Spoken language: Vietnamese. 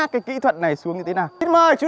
cuối cùng thì con đi xuống bình an vô sức